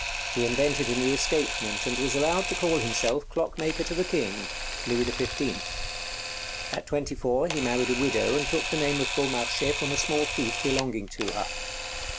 He invented a new escapement, and was allowed to call himself "Clockmaker to the King" Louis XV. At twenty four he married a widow, and took the name of Beaumarchais from a small fief belonging to her.